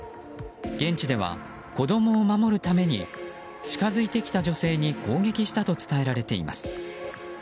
現地では、子供を守るために近づいてきた女性に攻撃したと伝えられています。